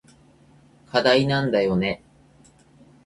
課題なんだよね。